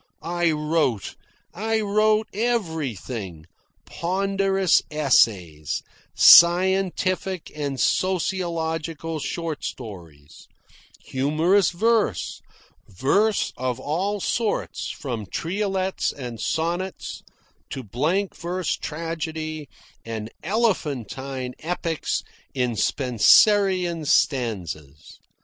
I wrote, I wrote everything ponderous essays, scientific and sociological short stories, humorous verse, verse of all sorts from triolets and sonnets to blank verse tragedy and elephantine epics in Spenserian stanzas.